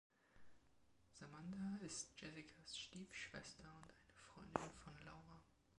Samantha ist Jessicas Stiefschwester und eine Freundin von Laura.